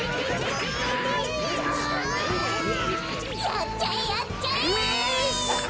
やっちゃえやっちゃえ！